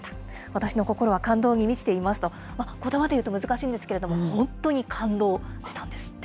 私の心は感動に満ちていますと、ことばで言うと難しいんですけど、本当に感動したんですって。